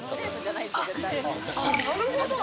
なるほど。